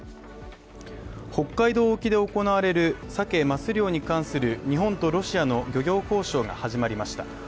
北海道沖で行われるサケ・マス漁に関する日本とロシアの漁業交渉が始まりました。